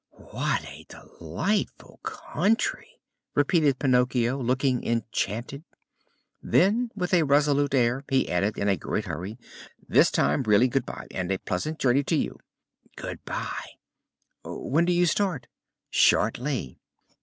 "What a delightful country!" repeated Pinocchio, looking enchanted. Then, with a resolute air, he added in a great hurry: "This time really good bye, and a pleasant journey to you." "Good bye." "When do you start?" "Shortly."